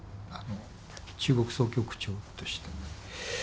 中国総局長として。